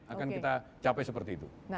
akan kita capai seperti itu